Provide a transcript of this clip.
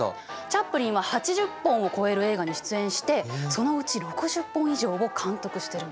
チャップリンは８０本を超える映画に出演してそのうち６０本以上を監督してる。